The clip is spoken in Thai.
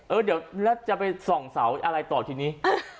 เออเดี๋ยวแล้วจะไปส่องเสาอะไรต่อทีนี้